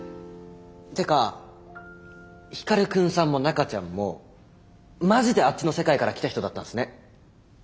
てか光くんさんも中ちゃんもマジであっちの世界から来た人だったんすね。